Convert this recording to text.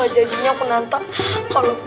berarti dia pengisal beneran